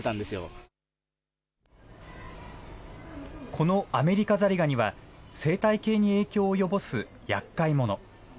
このアメリカザリガニは、生態系に影響を及ぼすやっかいもの。